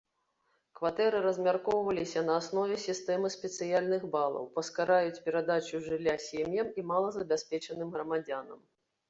Кватэры размяркоўваліся на аснове сістэмы спецыяльных балаў, паскараюць перадачу жылля сем'ям і малазабяспечаным грамадзянам.